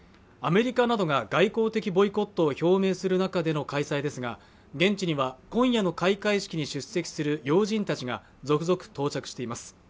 アメリカなどが外交的ボイコットを表明する中での開催ですが現地には今夜の開会式に出席する要人たちが続々到着しています